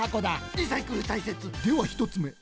リサイクルたいせつ！ではひとつめ！